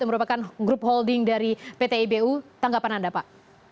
yang merupakan grup holding dari pt ibu tanggapan anda pak